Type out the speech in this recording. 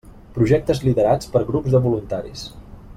Projectes liderats per grups de voluntaris.